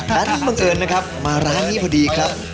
นั้นบังเอิญมาร้านนี้พอดีครับ